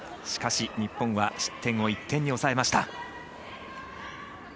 しかし、日本は失点を１点に抑えました。